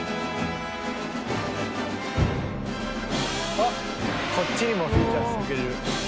あっこっちにもフィーチャーしてくれる。